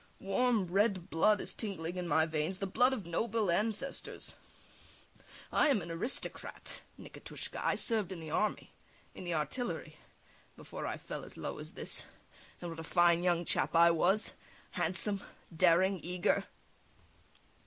Warm, red blood is tingling in my veins, the blood of noble ancestors. I am an aristocrat, Nikitushka; I served in the army, in the artillery, before I fell as low as this, and what a fine young chap I was! Handsome, daring, eager!